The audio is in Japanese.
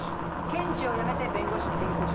検事を辞めて弁護士に転向した人。